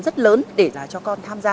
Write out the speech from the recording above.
rất lớn để là cho con tham gia